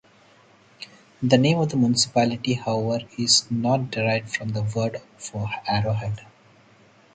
The name of the municipality, however, is not derived from the word for arrowhead.